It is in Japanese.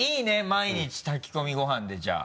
毎日炊き込みご飯でじゃあ。